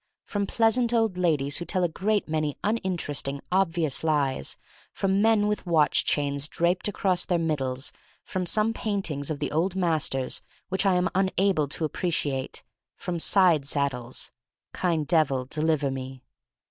From pleasant old ladies who tell a great many uninteresting, obvious lies; from men with watch chains draped across their middles; from some paint ings of the old masters which I am un able to appreciate; from side saddles: Kind Devil, deliver me.